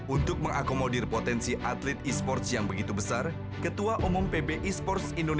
untuk mengakomodir potensi atlet esports yang begitu besar